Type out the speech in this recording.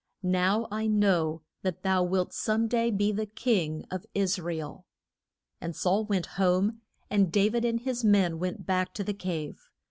Now I know that thou wilt some day be the king of Is ra el. And Saul went home, and Da vid and his men went back to the cave.